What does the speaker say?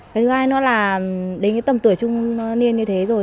cái thứ hai nó là đến tầm tuổi trung niên như thế rồi